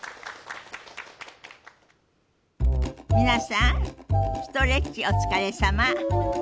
皆さんストレッチお疲れさま。